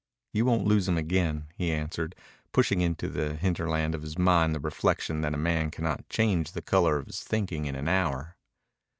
"You won't lose him again," he answered, pushing into the hinterland of his mind the reflection that a man cannot change the color of his thinking in an hour.